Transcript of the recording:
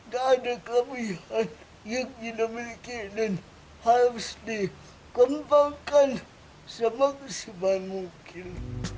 dan kemungkinan yang tidak berikin harus dikembangkan semaksimal mungkin